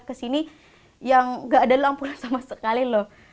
ke sini yang nggak ada lampu sama sekali loh